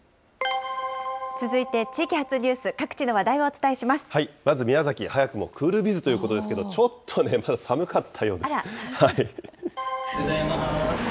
続いて、地域発ニュース、まず宮崎、早くもクールビズということですけれども、ちょっとね、寒かったようです。